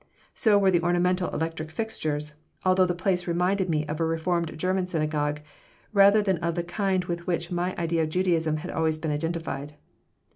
So were the ornamental electric fixtures. Altogether the place reminded me of a reformed German synagogue rather than of the kind with which my idea of Judaism had always been identified.